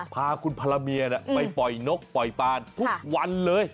พาคุณภรรเมียไปปล่อยนกปล่อยปานทุกวันเลย